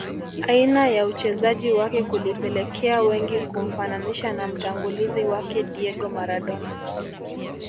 Aina ya uchezaji wake kulipelekea wengi kumfananisha na mtangulizi wake Diego Maradona